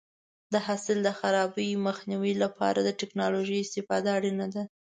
د حاصل د خرابي مخنیوي لپاره د ټکنالوژۍ استفاده اړینه ده.